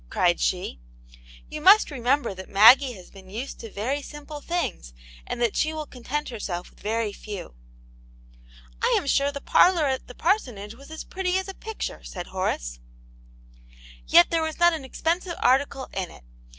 cried she. "You jpust remember that Maggie has been used to very simple things, and that she will content herself with very few." " I am sure the parlour at the parsonage was as pretty as a picture," said Horace. " Yet there is not an expensive article in it.